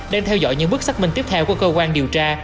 đang theo dõi những bước xác minh tiếp theo của cơ quan điều tra